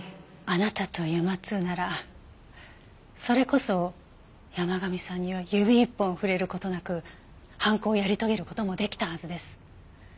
あなたとＵＭＡ−Ⅱならそれこそ山神さんには指一本触れる事なく犯行をやり遂げる事もできたはずです。